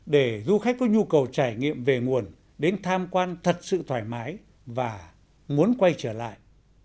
để du khách có nhu cầu trải nghiệm về nguồn đến tham quan thật sự thoải mái và muốn quay trở lại